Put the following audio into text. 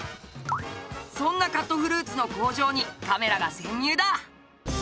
そんなカットフルーツの工場にカメラが潜入だ！